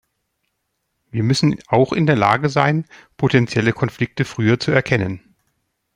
Wir müssen auch in der Lage sein, potenzielle Konflikte früher zu erkennen.